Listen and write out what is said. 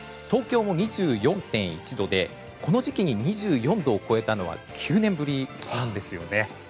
東京も２４．１度でこの時期に２４度を超えたのは９年ぶりなんです。